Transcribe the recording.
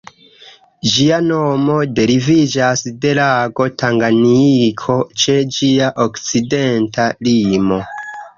Ĝia nomo deriviĝas de lago Tanganjiko ĉe ĝia okcidenta limo.